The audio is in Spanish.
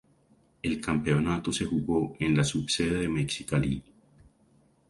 El campeonato se jugó en la subsede de Mexicali.